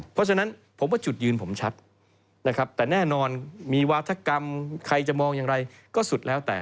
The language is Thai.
เพราะฉะนั้นผมว่าจุดยืนผมชัดนะครับแต่แน่นอนมีวาธกรรมใครจะมองอย่างไรก็สุดแล้วแต่